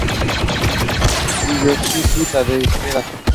Hiroyuki Takeda